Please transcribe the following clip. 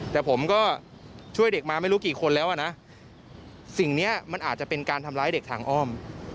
แต่ผมก็ช่วยเด็กมาไม่รู้กี่คนแล้วอ่ะนะสิ่งนี้มันอาจจะเป็นการทำร้ายเด็กทางอ้อม